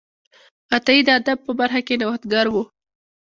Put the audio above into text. عطایي د ادب په برخه کې نوښتګر و.